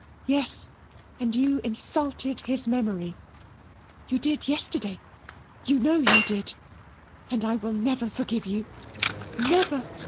"Yes, and you insulted his memory. You did yesterday. You know you did. And I will never forgive you. Never!"